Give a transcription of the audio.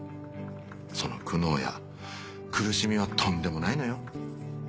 その苦悩や苦しみはとんでもないのよ。